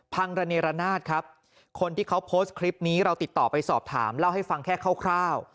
ระเนรนาศครับคนที่เขาโพสต์คลิปนี้เราติดต่อไปสอบถามเล่าให้ฟังแค่คร่าว